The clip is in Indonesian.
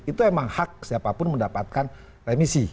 itu memang hak siapapun mendapatkan remisi